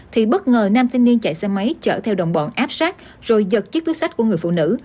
thì bất ngờ nam thanh niên chạy xe máy chở theo đồng bọn áp sát rồi giật chiếc túi sách của người phụ nữ